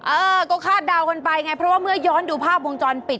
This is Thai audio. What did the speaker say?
เออก็คาดเดากันไปไงเพราะว่าเมื่อย้อนดูภาพวงจรปิด